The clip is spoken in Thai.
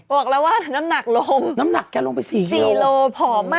แต่น้ำหนักล่ม